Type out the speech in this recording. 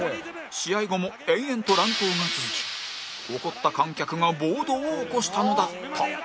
試合後も延々と乱闘が続き怒った観客が暴動を起こしたのだった